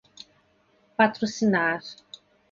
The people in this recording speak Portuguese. patrocinar